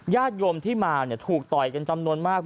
ญาติโยมที่มาถูกต่อยกันจำนวนมาก